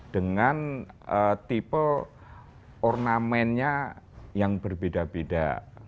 dengan tipe ornamennya yang berbeda beda